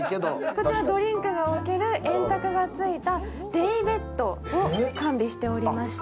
こちらドリンクが置ける円卓がついたデイベッドを完備しております。